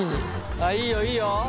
あっいいよいいよ！